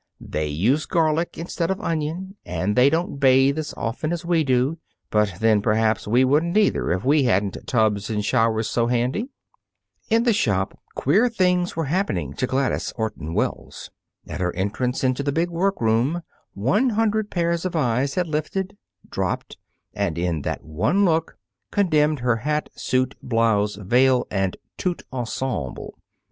"They use garlic instead of onion, and they don't bathe as often as we do; but, then, perhaps we wouldn't either, if we hadn't tubs and showers so handy." In the shop, queer things were happening to Gladys Orton Wells. At her entrance into the big workroom, one hundred pairs of eyes had lifted, dropped, and, in that one look, condemned her hat, suit, blouse, veil and tout ensemble.